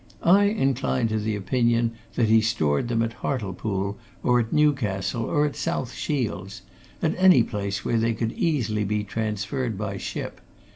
I incline to the opinion that he stored them at Hartlepool, or at Newcastle, or at South Shields at any place whence they could easily be transferred by ship.